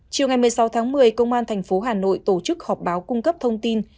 chiều ngày một mươi sáu tháng một mươi công an thành phố hà nội tổ chức họp báo cung cấp thông tin